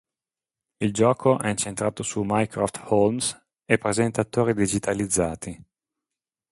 Il gioco è incentrato su Mycroft Holmes e presenta attori digitalizzati.